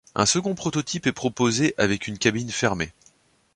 Un second prototype est proposé avec une cabine fermée.